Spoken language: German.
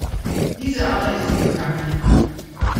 Diese Arbeit ist im Gange.